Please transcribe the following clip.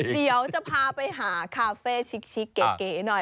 เดี๋ยวจะพาไปหาคาเฟ่ชิกเก๋หน่อย